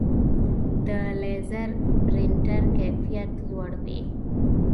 د لیزر پرنټر کیفیت لوړ وي.